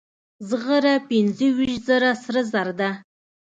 زغره پنځه ویشت زره سره زر ده.